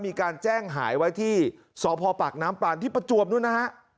มีการแจ้งหายไว้ที่สพปากน้ำปลานที่ประจวบนู้นนะฮะ